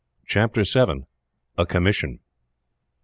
CHAPTER VII. A COMMISSION.